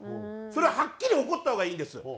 それははっきり怒った方がいいんです。